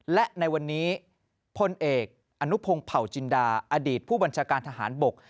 และในวันนี้พลเอกอนุพงศ์เผาจินดาอดีตผู้บัญชาการทหารบก